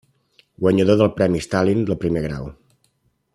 Guanyador del Premi Stalin de primer grau.